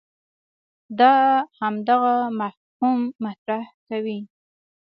دا همدغه مفهوم مطرح کوي.